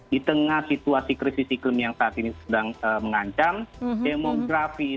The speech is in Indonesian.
di tengah situasi krisis iklim yang saat ini sedang mengancam demografi itu juga